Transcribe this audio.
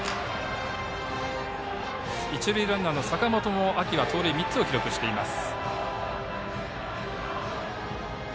一塁ランナーの坂本も秋は盗塁３つを記録しています。